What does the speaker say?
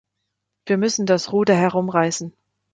Wir müssen das Ruder herumreißen.